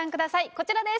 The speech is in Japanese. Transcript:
こちらです。